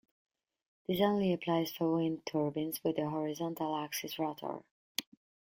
This only applies for wind turbines with a horizontal axis rotor.